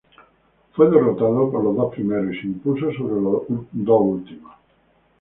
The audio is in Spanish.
Fue derrotado por los dos primeros y se impuso sobre los últimos dos.